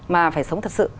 mà phải sống thật sự